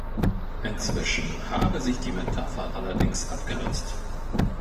Inzwischen habe sich die Metapher allerdings abgenutzt.